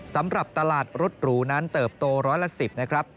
สำหรับตลาดรถหรูนั้นเติบโตร้อยละ๑๐นะครับ